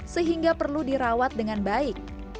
sehingga perlu dirawat dengan baik